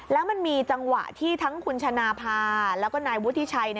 แล้วมันมีจังหวะที่ทั้งคุณชนะพาแล้วก็นายวุฒิชัย